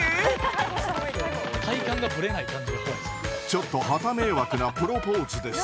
ちょっとはた迷惑なプロポーズです。